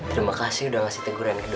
terima kasih udah ngasih teguran ke dulu